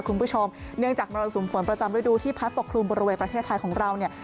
คุณผู้ชมเนื่องจากมรสุมฝนประจำฤดูที่พัดปกคลุมบริเวณประเทศไทยของเราเนี่ย